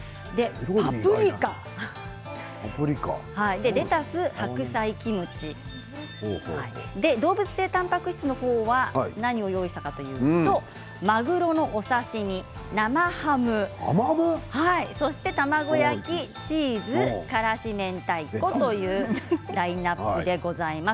パプリカ、レタス、白菜キムチ動物性たんぱく質の方は何を用意したかというとまぐろのお刺身、生ハムそして、卵焼きチーズ、からしめんたいこというラインナップでございます。